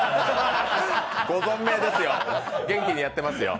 ご存命ですよ、元気にやってますよ。